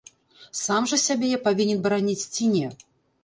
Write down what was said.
Сам жа сябе я павінен бараніць ці не?!